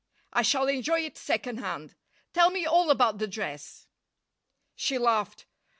I shall enjoy it second hand. Tell me all about the dress." She laughed.